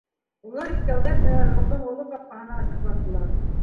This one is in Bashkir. Улар икәүләп Ныязғолдоң оло ҡапҡаһына ышыҡландылар.